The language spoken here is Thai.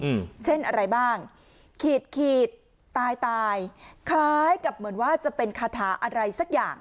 อืมเส้นอะไรบ้างขีดขีดตายตายคล้ายกับเหมือนว่าจะเป็นคาถาอะไรสักอย่าง